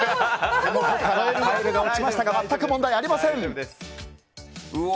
カエルが落ちましたが全く問題ありません。